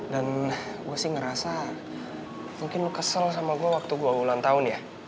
dan gue sih ngerasa mungkin lo kesel sama gue waktu gue ulang tahun ya